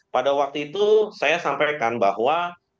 pada waktu itu saya sampaikan bahwa